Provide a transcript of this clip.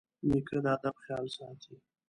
نیکه د ادب خیال ساتي.